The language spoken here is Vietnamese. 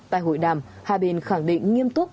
tại hội đàm hà bình khẳng định nghiêm túc